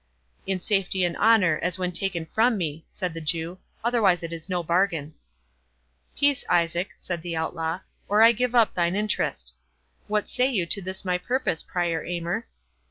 "In safety and honour, as when taken from me," said the Jew, "otherwise it is no bargain." "Peace, Isaac," said the Outlaw, "or I give up thine interest.—What say you to this my purpose, Prior Aymer?"